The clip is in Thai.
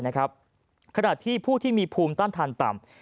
ขณะที่ผู้ที่มีภูมิต้านทานต่ำ